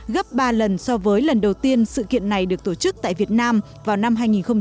gấp ba lần so với lần đầu tiên sự kiện này được tổ chức tại việt nam vào năm hai nghìn chín